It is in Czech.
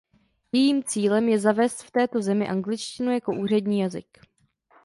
Jejím cílem je zavést v této zemi angličtinu jako úřední jazyk.